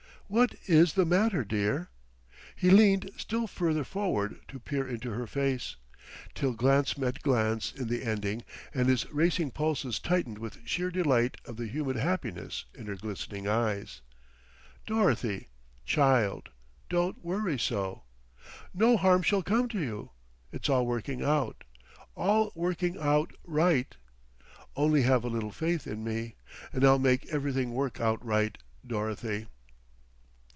"What is the matter, dear?" He leaned still farther forward to peer into her face, till glance met glance in the ending and his racing pulses tightened with sheer delight of the humid happiness in her glistening eyes. "Dorothy, child, don't worry so. No harm shall come to you. It's all working out all working out right. Only have a little faith in me, and I'll make everything work out right, Dorothy."